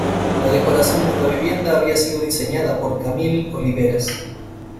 La decoración de esta vivienda había sido diseñada por Camil Oliveras.